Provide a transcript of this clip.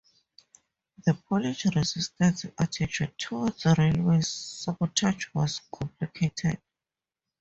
The Polish resistance attitude towards railway sabotage was complicated.